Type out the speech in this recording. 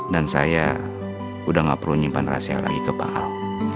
dan saya udah gak perlu nyimpan rahasia lagi ke pak al